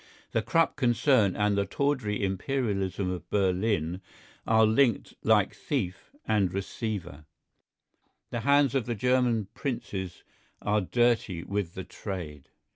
The Krupp concern and the tawdry Imperialism of Berlin are linked like thief and receiver; the hands of the German princes are dirty with the trade.